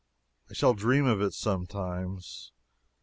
I shall dream of it sometimes.